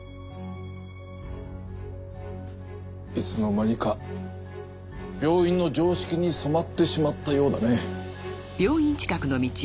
いつの間にか病院の常識に染まってしまったようだね。